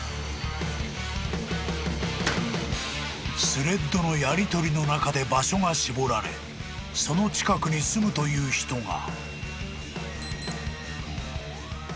［スレッドのやりとりの中で場所が絞られその近くに住むという人が］